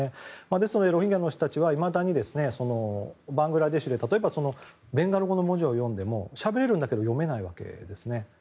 ですのでロヒンギャの人たちはバングラデシュで例えばベンガル語の文字を読んでもしゃべられるけど読めないわけです。